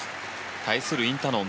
対するインタノン